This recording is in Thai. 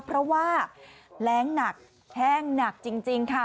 เพราะว่าแรงหนักแห้งหนักจริงค่ะ